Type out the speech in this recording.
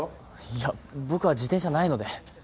いや僕は自転車ないので。